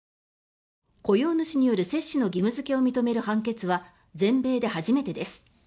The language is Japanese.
雇用主による接種の義務付けを認める判決は全米で初めてです。